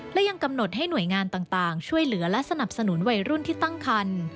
และยังกำหนดให้หน่วยงานต่างช่วยเหลือและสนับสนุนวัยรุ่นที่ตั้งคัน